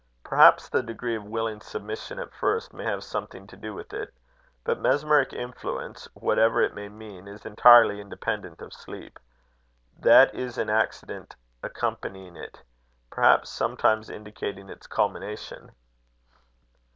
Perhaps the degree of willing submission at first, may have something to do with it. But mesmeric influence, whatever it may mean, is entirely independent of sleep. That is an accident accompanying it, perhaps sometimes indicating its culmination."